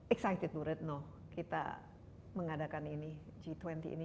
excited bu retno kita mengadakan ini g dua puluh ini